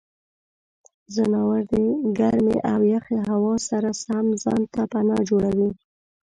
ځناور د ګرمې او یخې هوا سره سم ځان ته پناه جوړوي.